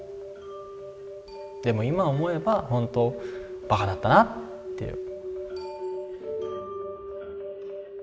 でも今思えばほんとバカだったなって。